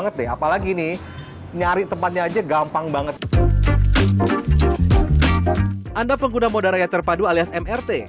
ngerti apalagi nih nyari tempatnya aja gampang banget anda pengguna moda raya terpadu alias mrt